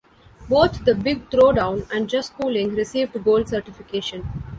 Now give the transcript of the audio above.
Both "The Big Throwdown" and "Just Coolin"' received gold certification.